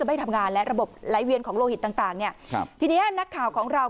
ไม่ทำงานและระบบไหลเวียนของโลหิตต่างต่างเนี่ยครับทีนี้นักข่าวของเรา